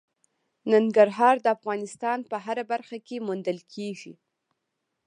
ننګرهار د افغانستان په هره برخه کې موندل کېږي.